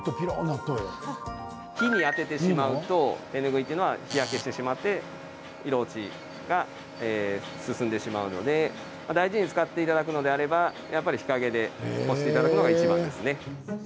日に当ててしまうと手ぬぐいというのは日焼けしてしまって色落ちが進んでしまうので大事に使っていただくのであればやっぱり日陰で干していただくのがいちばんですね。